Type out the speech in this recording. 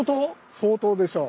相当でしょう。